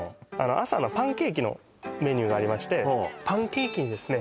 朝のパンケーキのメニューがありましてパンケーキにですね